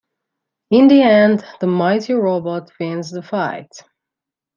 In the end, the Mighty Robot wins the fight.